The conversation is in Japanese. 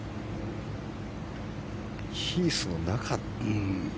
ヒースの中。